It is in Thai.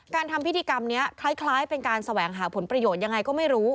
ทำพิธีกรรมนี้คล้ายเป็นการแสวงหาผลประโยชน์ยังไงก็ไม่รู้